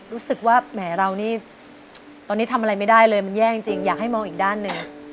แหมเรานี่ตอนนี้ทำอะไรไม่ได้เลยมันแย่จริงอยากให้มองอีกด้านหนึ่ง